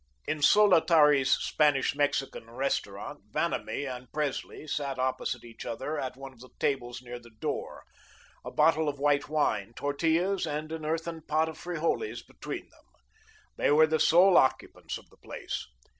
In Solotari's Spanish Mexican restaurant, Vanamee and Presley sat opposite each other at one of the tables near the door, a bottle of white wine, tortillas, and an earthen pot of frijoles between them. They were the sole occupants of the place.